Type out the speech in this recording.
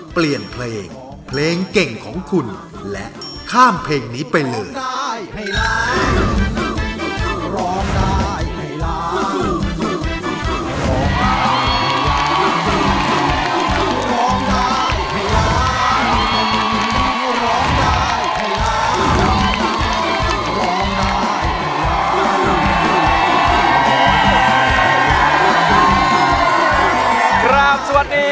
เปลี่ยนเพลงเพลงเก่งของคุณและข้ามเพลงนี้ไปเลย